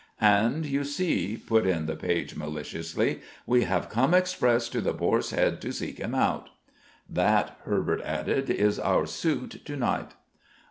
'" "And, you see," put in the page maliciously, "we have come express to the Boar's Head to seek him out." "That," Herbert added, "is our suit to night."